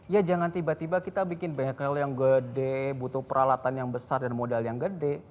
ya jangan tiba tiba kita bikin bengkel yang gede butuh peralatan yang besar dan modal yang gede